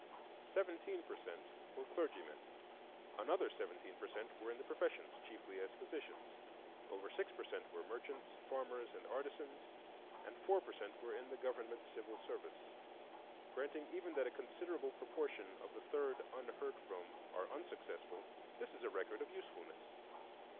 Seventeen per cent were clergymen; another seventeen per cent were in the professions, chiefly as physicians. Over six per cent were merchants, farmers, and artisans, and four per cent were in the government civil service. Granting even that a considerable proportion of the third unheard from are unsuccessful, this is a record of usefulness.